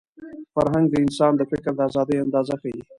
فرهنګ د انسان د فکر د ازادۍ اندازه ښيي.